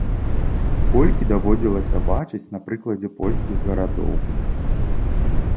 Колькі даводзілася бачыць на прыкладзе польскіх гарадоў.